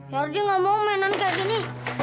yardi nggak mau mainan kayak gini